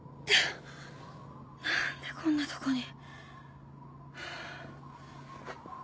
何でこんなとこに。